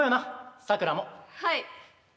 はい。